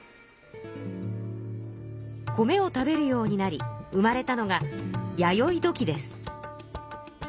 米を食べるようになり生まれたのが弥生土器です。